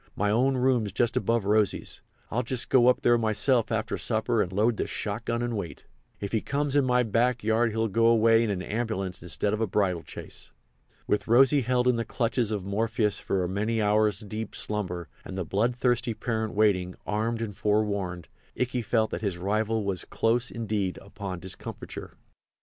My own room's just above Rosy's. I'll just go up there myself after supper and load the shot gun and wait. If he comes in my back yard he'll go away in a ambulance instead of a bridal chaise." With Rosy held in the clutches of Morpheus for a many hours deep slumber, and the bloodthirsty parent waiting, armed and forewarned, Ikey felt that his rival was close, indeed, upon discomfiture.